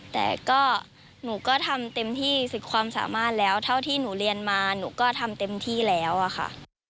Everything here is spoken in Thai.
แต่ก็หนูก็ทำเต็มที่สุดความสามารถแล้วเท่าที่หนูเรียนมาหนูก็ทำเต็มที่แล้วอะค่ะ